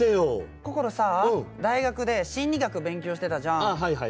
ココロ大学で心理学勉強してたじゃん。